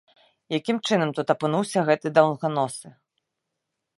Якім чынам тут апынуўся гэты даўганосы?